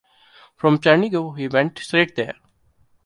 From Chernigov he went straight there.